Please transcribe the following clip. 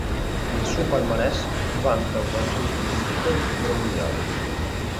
Nel suo palmarès vanta un argento olimpico e un titolo mondiale.